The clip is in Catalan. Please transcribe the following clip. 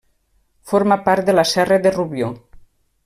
Forma part de la Serra de Rubió.